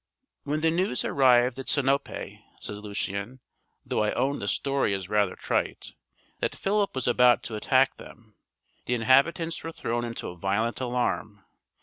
"When the news arrived at Sinope," says Lucian though I own the story is rather trite "that Philip was about to attack them, the inhabitants were thrown into a violent alarm.